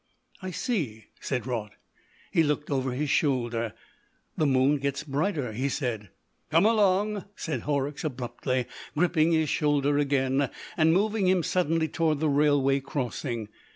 "I see," said Raut. He looked over his shoulder. "The moon gets brighter," he said. "Come along," said Horrocks abruptly, gripping his shoulder again, and moving him suddenly towards the railway crossing.